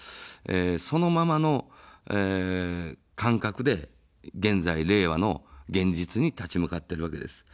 そのままの感覚で現在、令和の現実に立ち向かっているわけです。